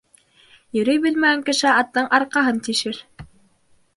Йөрөй белмәгән кеше аттың арҡаһын тишер